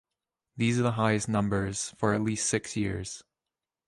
These are the highest numbers for at least six years.